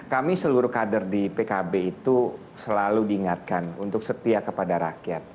kami seluruh kader di pkb itu selalu diingatkan untuk setia kepada rakyat